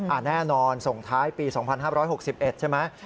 อ่าแน่นอนส่งท้ายปีสองพันห้าบร้อยหกสิบเอ็ดใช่ไหมใช่